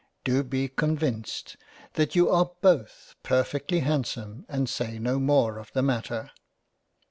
Do be con vinced that you are both perfectly handsome and say no more of the Matter.